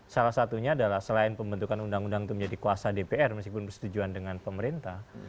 salah satunya adalah selain pembentukan undang undang itu menjadi kuasa dpr meskipun persetujuan dengan pemerintah